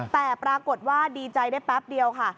แต่ปรากฏว่าดีใจได้แป๊บเดียวค่ะ